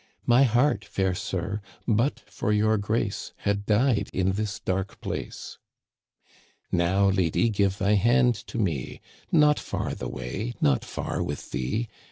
My heart, fair sir. but for your grace, Had died in this dark place." " Now, lady, give thy hand to me. Not far the way — not far with thee.